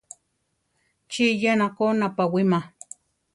¿Chí yénako napawíma?